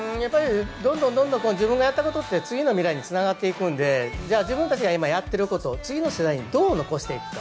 どんどんと自分のやりたいことって、次の未来に繋がっていくんで自分たちがやってることを次の世代にどう残していくか。